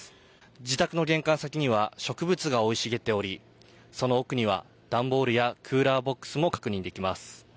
自宅の玄関先には植物が生い茂っており、その奥には段ボールやクーラーボックスも確認できます。